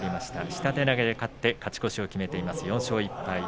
下手投げで勝って勝ち越しを決めています。